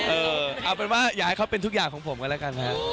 เออเอาเป็นว่าอยากให้เขาเป็นทุกอย่างของผมกันแล้วกันฮะ